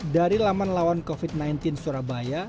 dari laman lawan covid sembilan belas surabaya